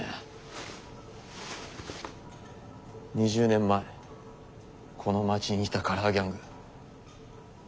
２０年前この街にいたカラーギャング。